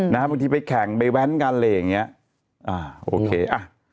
บางทีไปแข่งไปแว้นกันอะไรอย่างเงี้ยอ่าโอเคอ่ะ